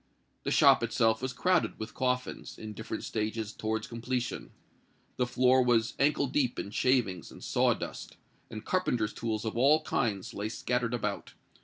The shop itself was crowded with coffins, in different stages towards completion: the floor was ankle deep in shavings and sawdust; and carpenters' tools of all kinds lay scattered about.